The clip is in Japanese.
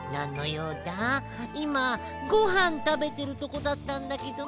いまごはんたべてるとこだったんだけどな。